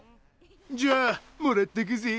じゃあもらっとくぜ。